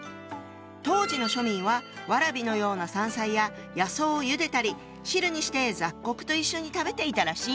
当時の庶民はワラビのような山菜や野草をゆでたり汁にして雑穀と一緒に食べていたらしいの。